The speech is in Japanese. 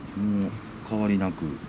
変わりなく。